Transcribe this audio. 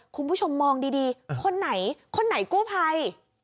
คุณผู้ชมมองดีคนไหนกู้ไพ่